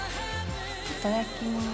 いただきます。